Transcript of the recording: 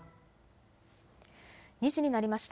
２時になりました。